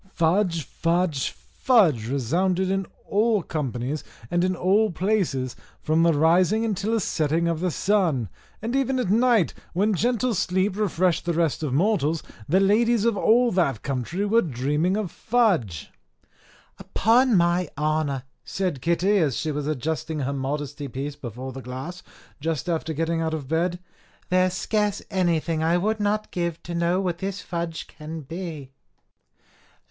Fudge, fudge, fudge, resounded in all companies and in all places, from the rising until the setting of the sun; and even at night, when gentle sleep refreshed the rest of mortals, the ladies of all that country were dreaming of fudge! "Upon my honour," said Kitty, as she was adjusting her modesty piece before the glass, just after getting out of bed, "there is scarce anything I would not give to know what this fudge can be."